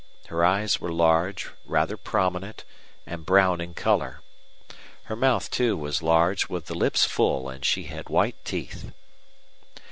Her eyes were large, rather prominent, and brown in color. Her mouth, too, was large, with the lips full, and she had white teeth.